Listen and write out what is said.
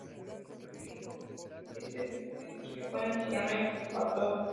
La primera presentación en vivo de este sencillo fue en el programa X factor.